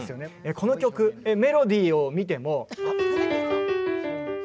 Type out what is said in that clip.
この曲、メロディを見ても。